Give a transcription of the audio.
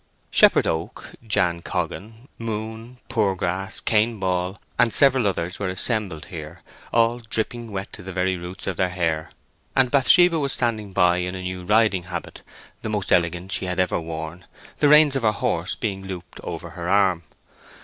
Shepherd Oak, Jan Coggan, Moon, Poorgrass, Cain Ball, and several others were assembled here, all dripping wet to the very roots of their hair, and Bathsheba was standing by in a new riding habit—the most elegant she had ever worn—the reins of her horse being looped over her arm.